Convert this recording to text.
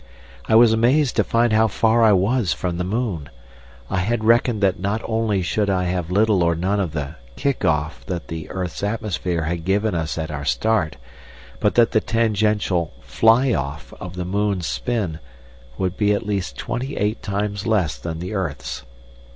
I was amazed to find how far I was from the moon. I had reckoned that not only should I have little or none of the "kick off" that the earth's atmosphere had given us at our start, but that the tangential "fly off" of the moon's spin would be at least twenty eight times less than the earth's.